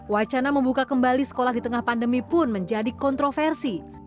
wacana membuka kembali sekolah di tengah pandemi pun menjadi kontroversi